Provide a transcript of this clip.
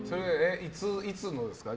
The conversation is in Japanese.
いつのですか？